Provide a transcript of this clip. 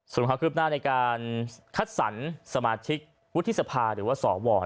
สนุนข้าขึ้นขึ้นหน้าในการคัดสรรสมาธิกวุฒิสภาหรือว่าสว